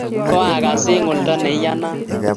koakas eng' oldo ne iyanat